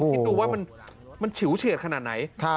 คิดดูว่ามันฉิวเฉียดขนาดไหน